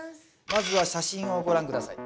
まずは写真をご覧下さい。